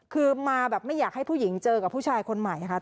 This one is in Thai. คือมาแบบไม่อยากให้ผู้หญิงเจอกับผู้ชายคนใหม่ค่ะ